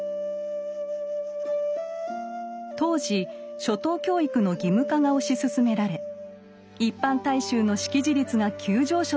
当時初等教育の義務化が推し進められ一般大衆の識字率が急上昇したイギリス。